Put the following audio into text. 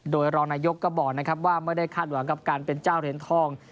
โดยรองนายกก็บอกนะครับว่าไม่ได้คาดหวังกับการเป็นเจ้าเหรียญทอง